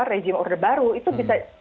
rejim orde baru itu bisa